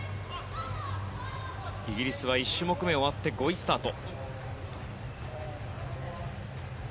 イギリスは１種目めが終わって５位スタート。